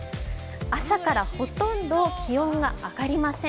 朝からほとんど気温が上がりません。